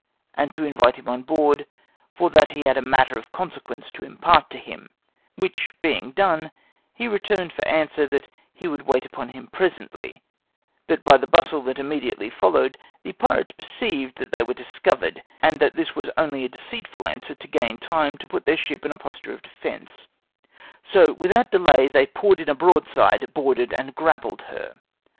and to invite him on board, "for that he had a matter of consequence to impart to him;" which being done, he returned for answer that "he would wait upon him presently," but by the bustle that immediately followed, the pirates perceived that they were discovered, and that this was only a deceitful answer to gain time to put their ship in a posture of defense; so without further delay they poured in a broadside, boarded, and grappled her.